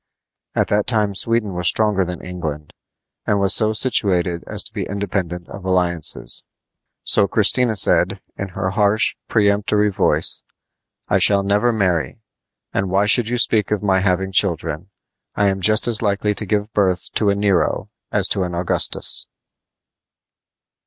At that time Sweden was stronger than England, and was so situated as to be independent of alliances. So Christina said, in her harsh, peremptory voice: "I shall never marry; and why should you speak of my having children! I am just as likely to give birth to a Nero as to an Augustus."